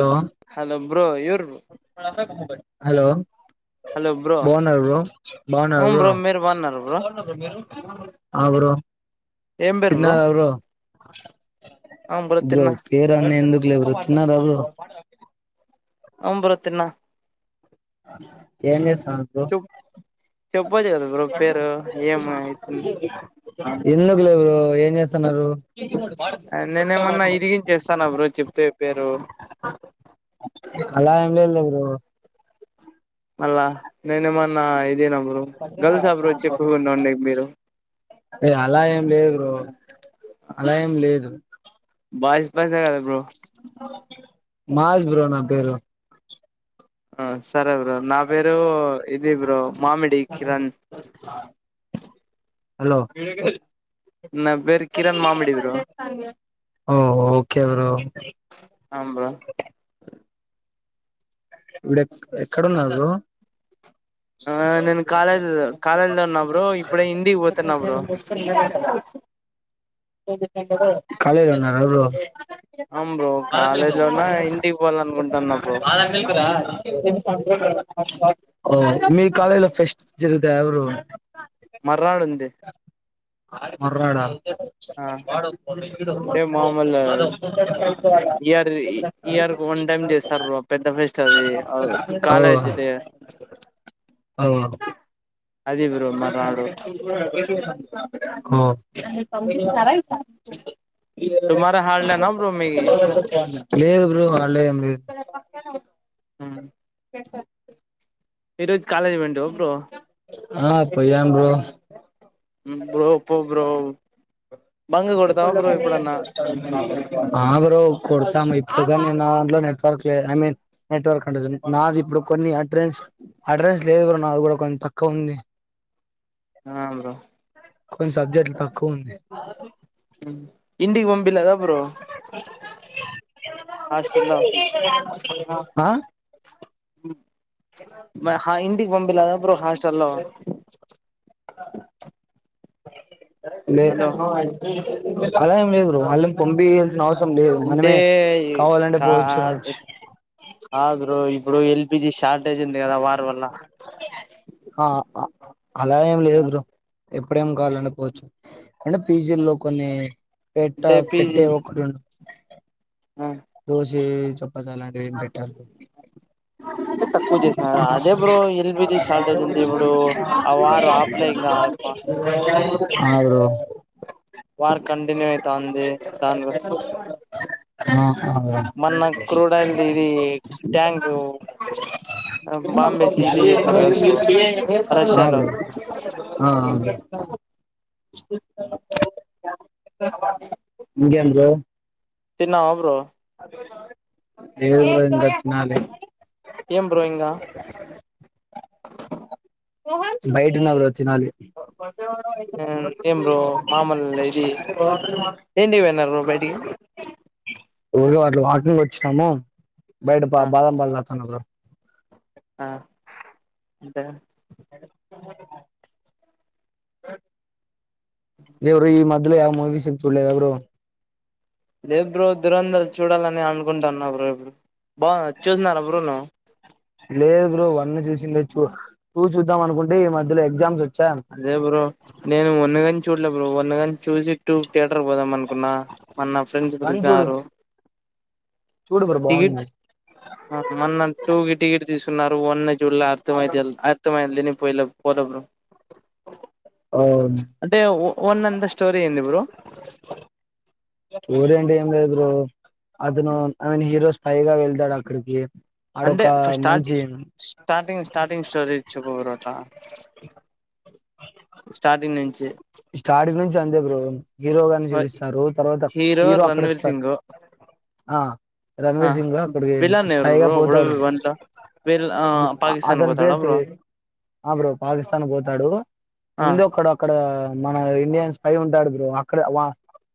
లో hello bro you hello hello bro బాగున్నార bro బ బాగున్నార అవును బ్రో మీరు బాగున్నారు హ బాగున్నా బ్రో మీరు ఆ బ్రో ఏం పేరు తిన్నారుా బ్రో అవును బ్రో తిన్నా పేరన్ని ఎందుకు లే బ్రో తిన్నారా బ్రో అవుం బ్రో తిన్న ఎం చెస్ అ బ్రో చెప్పోచ్చు కదా బ్రో పేరు ఏం అయితుంది ఎందుకు లే బ్రో ఏం చేస్తన్నారు నేనే ఏమన్నా ఇరిగించేస్తాన బ్రో చెప్తే పెరు అలా ఏం లేదు లే బ్రో నా ఇదేనా బ్రో గర్ల్సా బ్రో చెప్పుకుండా ఉండేది మీరు ఎ అలా ఏం లేదు బ్రో అలా ఏం లేదు పైస్ కదా బ్రో మాస్ బ్రో నా పేరు ఆ సరే బ్రో నా పెరు ఇధి బ్రో మామిడి కిరణ్ హలో నా పేరు కిరణ్ మామిడి బ్రో ఓ ఓకే బ్రో అవును బ్రో ఇప్పుడు ఎక్ ఎక్కడున్నారు బ్రో ఆ నేను కాలేజ్ కాలేజ్ లో ఉన్నా బ్రో ఇప్పుడే ఇంటికి పోతున్నా బ్రో [unintelligible] కాలేజ్ లో ఉన్నారా బ్రో ఆమ్ బ్రో కాలేజ్ లో ఉన్నా ఇంటికి పోవాలనుకుంటన్నా బ్రో ఓ మీక్ కాలెజ్లో ఫెస్ట్స్ జరుగుతయ బ్రో మార్నాడు ఉంది ఆ మర్నాడా ఆ అంటే మామూలు ఇయర్ ది ఇయర్ కి వన్ టైమ్ చేస్తారు బ్రో పెద్ద ఫెస్ట్ అది ఓ కాలేజ్ డే ఓ అది బ్రో మర్నాడు ఆ ఏం పంపిస్తార ఇస్ ద రైట్. టుమారో హాలిడేనా బ్రో మీకి లేదు బ్రో హాలిడే ఏం లేదు హామ్ ఈరోజు కాలేజి పోఇంటివా బ్రో ఆ పొయ్యం బ్రో. ఉమ్ బోప్ర బ్రో. బంక్ కొడతావా బ్రో ఎప్పుడన్నా ఆ బ్రో కొడతాము ఇప్పుడు గాని నా దాంట్లో నెట్వర్క్ లేదు ఐ మీన్. నెట్వర్క్ అంటతుంది నాది ఇప్పుడు కొన్ని అడ్రస్ అడ్రస్ లేదు నాది కూడా కొంతక్కువ ఉంది. ఆ బ్రో. కొన్ని సబ్జెక్టులు తక్కువ ఉంది. ఇంటికి పంపిలేధా బో. ఆ. మ హందకి పంపినారా బ్రో. చల్లవ. సరే హలో మేము ఐస్ క్రీమ్ తింటాము. అలా అని ఏం లేదు బ్రో అళ్లని పంపియ. అంటే పోవచ్చు కాద్ రావచ్చు కాదు బ్రో ఇప్పుడు ఎల్పిజి స్టాప్ స్టాప్. ఆ అలా ఏం లేదు బ్రో. ఎప్పుడేం కావాలన్న పోవచ్చు అంటే పీజీ ల్లో కొన్ని పెట్టా అంటే పీజీ పెట్టే ఓపికున్ అంటే దోస్ జేజ ఆడ అలాంటివి ఏం పెట్టద్దు తక్కువ చేసినారు అదే బ్రో ఎల్పిజి షార్టేజ్ ఉంది ఇప్పుడు ఆ వార్ ఆపలే ఇంకా హాయ్ బ్రో వార్ కంటిన్యూ అయితాంది దాని గు ఆ ఆ బ్రో మొన్న క్రూడ్ ఆయిల్ ది ఇది ట్యాంక్ బాంబేసి ఇది చేసినారు కదా బ్రో ఆ రష్యాలో బ్రో ఆ ఇంకేది బ్రో తిన్నావా బ్రో లేదు బ్రో ఇంకా తినాలి ఏం బ్రో ఇంగా బయటున్న బ్రో తిన్నాలి ఏం బ్రో మామూలు ఇది ఏనింటికి పోయిన్నారు బ్రో బయటికి ఊరిగే అట్లా వాకింగ్ వచ్చినాము బయట బా ఆ బదం పాలు తాగుతున్న బ్రో ఆ అంటే ఎవరు ఈ మధ్యలో ఏ మూవీస్ చూడలేదా బ్రో లేదు బ్రో దురంధర్ చూడాలని అనుకుంటన్నా బ్రో ఎ బాగ చూసిన్నారా బ్రో నువ్వు లేదు బ్రో వన్ చూసిందే లే చూ టూ చూద్దాం అనుకుంటే ఈ మధ్యలో ఎగ్జామ్స్ వచ్చి అదే బ్రో నేను మొనగంచి చూడలే బ్రో వన్ కాని చూసి టూ ధియేటర్ పోదామనుకున్నా మన ఫ్రెండ్స్ వన్ చూడు పిలిచారు చూడు బ్రో బాగుంది టిక్కెట్స్ ఆ మెన్న టూ టికెట్స్ తీసు ంటూరు వన్ చూడ్ల అర్థమయి అర్థమయందని పోయిలా పోద బ్రో ఆ అంటే వన్ అంద స్టోరీ ఏంది బ్రో స్టోరి అంటే ఏం లేదు బ్రో అతను ఆయన హీరోస్ స్పెగా వె ధడ అక్కడికి అంటే ఆడొక ఫస్ మంచి స్టార్టింగ్ స్టార్టింగ్ స్టార్టింగ్ స్టోరీ చెప్పు బ్రో స్టార్టింగ్ నుంచి స్టార్టింగ్ నుంచి అంతే బ్రో హీరోగాని చూపిస్తారు తర్వాత హీరో అక్కడ రణవీర్ సింగ్ ఆ ఆ రణవీర్ సింగ్ అక్కడి విలన్ ఎవరు స్పైైగా బ్రో అప్పుడు పోతాడు వన్ లో విల్ ఆ అ పాకిస్తాన్ అతని పోతాడా పేరు బ్రో తెలియదు ఆ బ్రో పాకిస్తాన్ పోతాడు ఆ ముందే ఒక్కడు అక్కడ మన ఇండియన్స్ స్పె ఉంటాడు బ్రో అక్కడ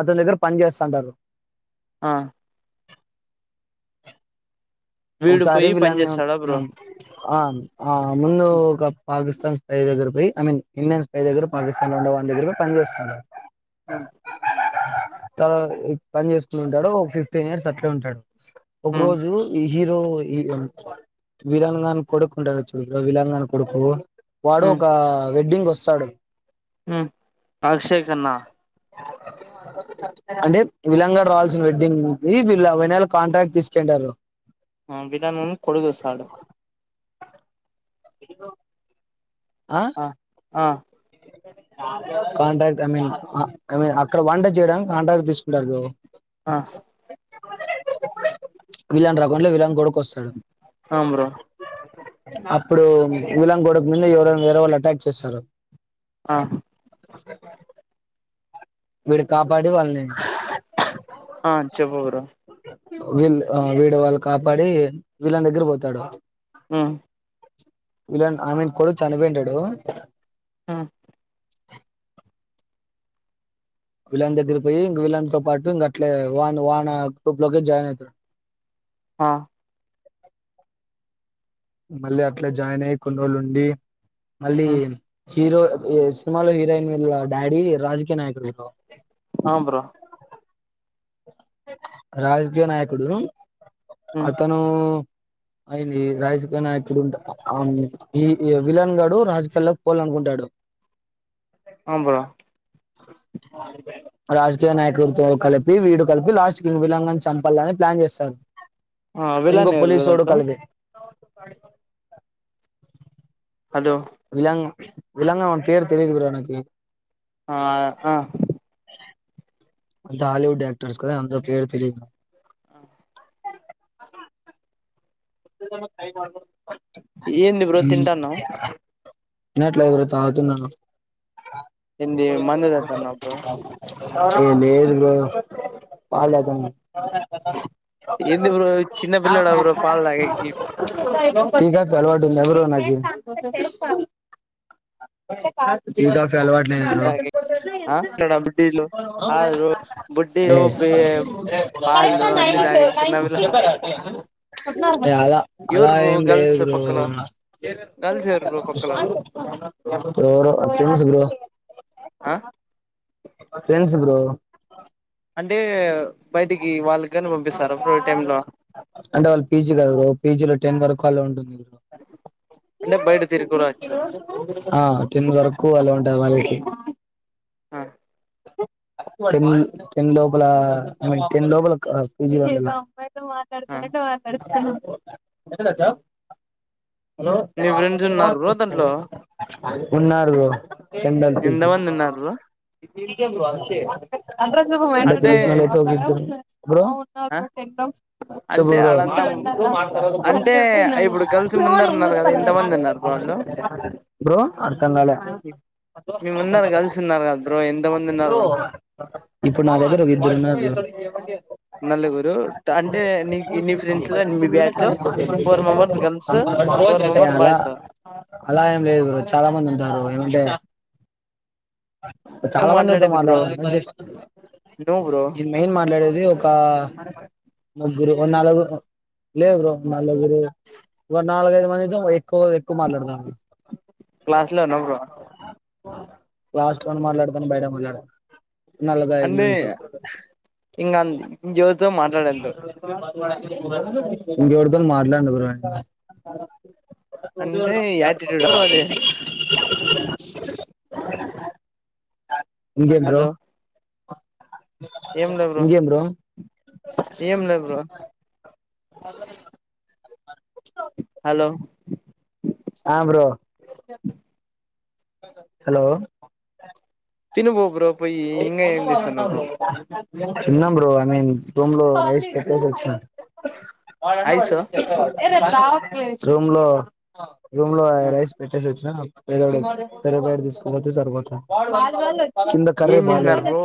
అతని దగ్గర పని చేస్తంటారు ఆ వీడు ఒకసారి పోయి పని విలాన్ చేస్తాడా బ్రో ఆ ఆ ముందు ఒక పాకిస్తా స్పె దగ్గర పోయి ఐ మీన్ ఇండియన్ మీ దగ్గర పాకిస్తాన్ లో ఉండే వాని దగ్గర కూడా పంచేస్తారా ఆ తవత పని చేసుకు ఉంటాడు ఒక ఫిఫ్టీన్ ఇయర్స్ అట్లే ఉంటాడు ఒక ఉమ్, రోజు ఈ హీరో ఇ విలాన్ గాని కొడుకు ఉంటాడు చూడ విలాన్ గాని కొడుకు వాడు ఒక వెడ్డింగ్ వస్ తడు హ్మ అషే కన్నా అంటే విలన్ గాడు రావాల్సిన వెడ్డింగ్ కి వీళ్ళు ఈ నాయల్లు కాంటాక్ట్ తీసుకొంటారు ఆ విలానీ కొడుదోస్తాడు ఇదిగో ఆ ఆ contract I mean I mean అక్కడ వంట చేయడానికి కాంట్రాక్ట్ తీసుకుంటారు బ్రో ఆ [unintelligible] లో విలన్ కోడుకొస్తాడు ఆహ్ బ్రో అప్పుడు విలన్ కొడుకు మీద ఎవరో వేరే వాళ్ళు అటాక్ చేస్తారు ఆ ే విడికాబ్ బడీ వాళ్ళని ఆ చెప్పు బ్రో వీల్ వీడు వాళ్ళు కాపాడి విలన్ దగ్గరకి పోతాడు హ్మ విలన్ అయిమీన్ కొడుకు చనిపోయినటాడు ఆ విలాన్ దగ్గరికి పోయి ఇంక విలాన్ తో పాటు ఇంక అట్లే వాన్ వాన గ్రూప్ లోకి జాయిన్ అవుతారు ఆ మళ్ళీ అట్లే జాయిన్ అయి కొన్నిరోజులు ఉండి మళ్ళీ ఉమ్ హీరో ఈ సినిమాలో హీరోయిన్ వీళ్ళ డాడీ రాజకీయ నాయకుడు బ్రో ఆ బ్రో రాజకీయ నాయకుడు ఉమ్ అతను ఐంది రాజకీయ నాయకుడు ఉంట ఆ ఈ విలన్గాడు రాజకీయాల్లోకి పోాలనుకుంటాడు ఆ బ్రో రాజకీయ నాయకుడు తో కల్ వీడు కలిపి లాస్ట్ కి విలన్ గాని చంపాలని ప్లాన్ చేస్తాారు ఆ ఇంకో విలన్ ఎవరు బ్రో పోలీస్సోడు దాంట్లో కలిపి ప హలో విలాంగం ఇలాంగా ఉన్ పేరు తెలీదు బ్రో నాకి ఆ ఆ అంత హాలీవుడ్ క్టర్స్ కదా అన్ పేరు తెలిదు ఆ [inaudible] ఉమ్ ఏంది బ్రో తింటాన్నావ్ తిన్నట్లే బ్రో తాగుతున్నను ఏంది మందు తాగుతున్నావ్ బ్రో ఏ లేదు బ్రో పాల్ తాతన్నన్ ఎంది బ్రో చిన్న పిల్లోడ బ్రో పాల్ తాగే ఎగ్తెస్ తీస్ టీ కాఫీ అలవాటు ఉంది బ్రో నాకి అలవాటు బుడ్డీలు లేదు తాగేకి ఆ పిల్లడా బుడ్డీలు కాదు బ్రో బుడ్డీలు బి- పాలు అన్ని తాగే చిన్నపిల్ల బ్రో అద అలా ఎవరు బ్రో ఏం గర్ల్స్ లేదు బ్రో పక్కలో కలిసారు బ్రో పక్కలో ఎవరు ఫ్రెండ్స్ బ్రో ఆ ఫ్రెండ్స్ బ్రో అంటే బయటికి వాళ్ళకి కాని పంపిస్తారా బ్రో ఈ టైమ్ లో అంటే వాళ్ళు పీజీ కదా బ్రో పీజీలో టెన్ వరకు కాల్లో ఉంటుంది అంటే బయట తిరుగురావచ్చు ఆ టన్ వరకు అలా ఉంటది వాళ్ళకి ఆ టన్ టన్ లోపల అ టెన్ లోపాల పేజీలో ఉండాల్ మ ఆ మాట్లాడతారా ఎ మాట్లాడారు ఎట్టా తెల్సా హలో నీ ఫ్రెండ్స్ ఉన్నారు బ్రో దాంట్లో ఉన్నారు బ్రో చందన్ పీజీ ఎంతమంది ఉన్నారు బ్రో కేం వాల్ చె అంటే తెల్సినోల్ [inaudible] బ్రో ఆ చెప్పు అంటే బ్రో ఆడంతా అంటే ఇప్పుడు గర్ల్స్ ముందరున్నారు కదా ఎంత మంది ఉన్నారు బ్రో వాళ్ళు బ్రో అర్థం కాల మీ ముందర గర్ల్స్ ఉన్నారు కదా బ్రో ఎంత మంది ఉన్నారు బ్రో వాళ్ళు ఎపుడు నా దగ్గరా ఇద్దరు ఉన్నారు ే నలుగురు అంటే నీ నీ ఫ్రెండ్స్ లో మీ బ్యాచ్ లో four members girls four members అలా బాయ్స్ అలా ఏం లేదు బ్రో చాలా మంది ఉంటారు ఏమంటే నువ్వు చాలా మంది తో మాట్లాడేది బ్రో మాట్లాడుత. నువ్వు బ్రో ఇ మెయిన్ మాట్లాడేది ఒక. ముగ్గురు ఓ నాలుగురు, లేదు బ్రో నలుగురు, ఒ నాలుగఐదు మందితో ఎక్కువ ఎక్కువ మాట్లాడుతా. క్లాస్ లో ఉన్న బ్రో. క్లాస్ట్ లో ను మాట్లాడతాను బయట మాట్లాడ. నల్గ దాయిదు మంచం. ఇంగ్ంద్ జ్యోత్. ఇంకెవరితోను మాట్లాడనివ్వరంట. అంటే యాటిట్యూడ్ బ్రో అది [unintelligible] ఇకేంద్ బ్రో. హలో ఏం లే ఇంకేం బ్రో. ఏం లేదు బ్రో. [inaudible] హలో. అ బ్రో హలో. తిను బో బ్రో. పోయి ఇంగా ఏం చేస్తున్నావ్ బ్రో తిన్నాం బ్రో ఐ మీన్. రూమ్ లో రైస్ పెట్టేసి వచ్చా. ఐస్ [unintelligible] రూమ్ లో. రూమ్ లో అ రైస్ పెట్టేసి వొచ్చినా. ఏదో టి ఎదో బయట తీసుకోపోతే సరిపోతా. కర్రే ఏం బా చేసినారు లేదు బ్రో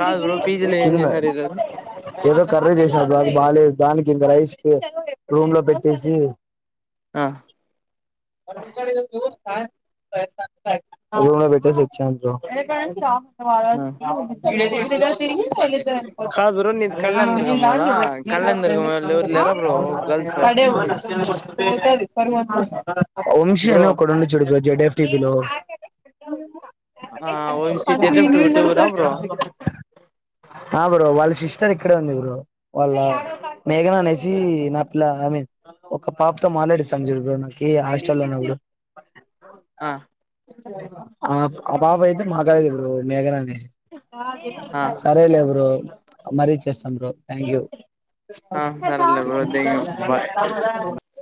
కాదు బ్రో పీజీలో ఏం తిన్న. చేసినారు ఈరోజు ఏదో కర్రీ చేసారు కాదు బాగాలేదు దానికి ఇంకా రైస్ పె రూమ్ లో పెట్టేసీ. ఆ రూమ్ లో పెట్టేసి వొచ్చాను బ్రో. [inaudible] ఆ కాదు బ్రో నీది కళ్యాణ దుర్గం కదా కళ్యాణ దుర్గం వాళ్ళు ఎవరు లేరా బ్రో గర్ల్స్ [unintelligible] [inaudible] [inaudible] వంశీ బ్రో అని ఒక ఉండే చూడు జెడెఫ్. దిలో ఆ వంశిద్ విని వి స ఆ బ్రో వాళ్ళ సిస్టర్ ఇక్కడే ఉంది బ్రో వాళ్ళ మేఘన అనేసి నా పిల్ల ఐ మీన్ ఒక పాపతో మాట్లాడిస్తాం బ్రో నాకి హాస్టల్ లో ఉన్నప్పుడు ఆ ఆప్ ఆ పాప అయితే మా కాలేజె బ్రో మేఘనా అనేసి ఆ సరేలే బ్రో మరీ చేస్తాను బ్రో థ్యాంక్ యూ ఆ సరేలే బ్రో థాంక్యూ బాయ్